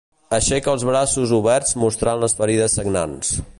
Aixeca els braços oberts mostrant les ferides sagnants.